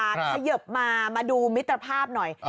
ขยิบมามาดูมิตรภาพหน่อย